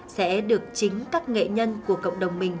sẽ được chính các nghệ nhân của cộng đồng mình